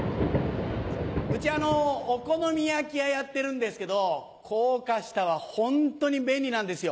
うちお好み焼き屋やってるんですけど高架下はホントに便利なんですよ。